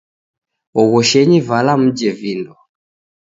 Oghoshenyi vala mjhe vindo.